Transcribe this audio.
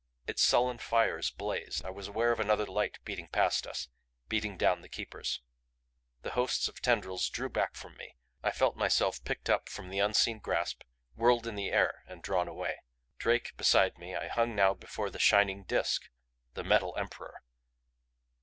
Its sullen fires blazed. I was aware of another light beating past us beating down the Keeper's. The hosts of tendrils drew back from me. I felt myself picked from the unseen grasp, whirled in the air and drawn away. Drake beside me, I hung now before the Shining Disk the Metal Emperor!